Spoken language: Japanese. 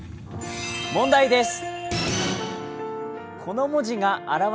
問題です。